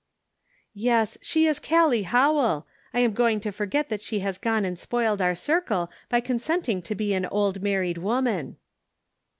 "Yes, she is Callie Howell: I am going to forget that she has gone and spoiled our circle by consenting to be an old married woman."